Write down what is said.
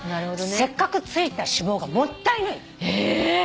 「せっかくついた脂肪がもったいない」えっ！